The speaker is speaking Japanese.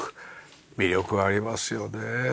魅力ありますよね。